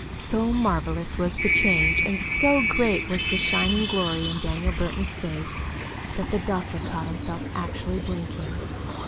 (So marvelous was the change, and so great was the shining glory in Daniel Burton's face, that the doctor caught himself actually blinking.)